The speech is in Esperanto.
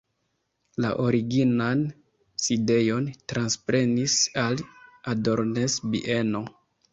La originan sidejon transprenis la Adornes-bieno.